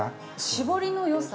◆絞りのよさ